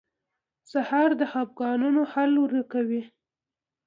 سهار د خفګانونو حل ورکوي.